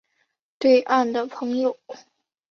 对岸的朋友